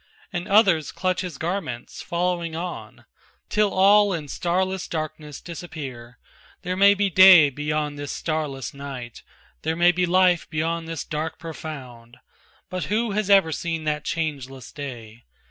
And others clutch his garments, following on. Till all in starless darkness disappear, There may be day beyond this starless night, There may be life beyond this dark profound But who has ever seen that changeless day?